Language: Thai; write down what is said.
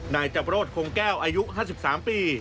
นายจบรถหุงแก้วอายุ๕๓ปี